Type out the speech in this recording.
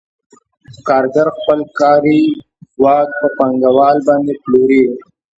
کارګر خپل کاري ځواک په پانګوال باندې پلوري